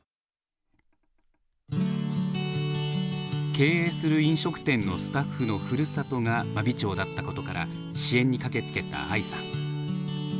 経営する飲食店のスタッフのふるさとが真備町だったことから支援に駆けつけた愛さん。